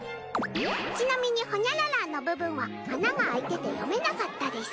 ちなみにほにゃららの部分は穴が開いてて読めなかったです。